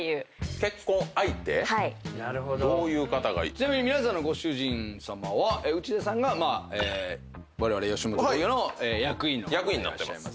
ちなみに皆さんのご主人さまは内田さんがわれわれ吉本興業の役員の方でいらっしゃいます。